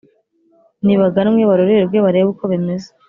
nibaganwe barorerwe barebe uko bimeze